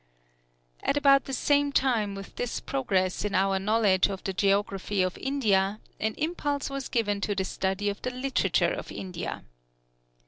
At about the same time with this progress in our knowledge of the geography of India an impulse was given to the study of the literature of India.